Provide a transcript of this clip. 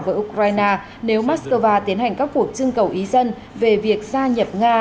với ukraine nếu moscow tiến hành các cuộc trưng cầu ý dân về việc gia nhập nga